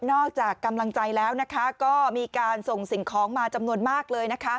จากกำลังใจแล้วก็มีการส่งสิ่งของมาจำนวนมากเลย